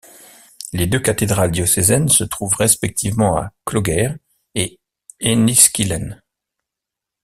Les deux cathédrales diocésaines se trouvent respectivement à Clogher et Enniskillen.